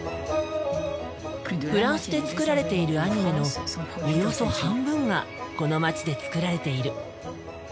フランスで作られているアニメのおよそ半分がこの街で作られている。